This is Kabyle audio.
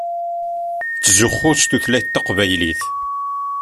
Tettzuxxu s tutlayt taqbaylit.